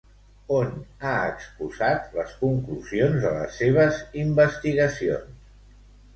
On ha exposat les conclusions de les seves investigacions?